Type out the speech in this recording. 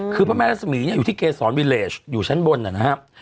คือพระแม่รัศมีร์อยู่ที่เกษรวิเลสอยู่ชั้นบนนะครับ